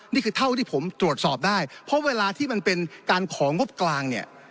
นี่คือเท่าที่ผมตรวจสอบได้เพราะเวลาที่มันเป็นการของงบกลางเนี่ย